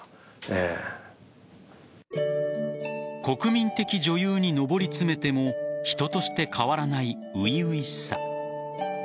国民的女優に上り詰めても人として変わらない初々しさ。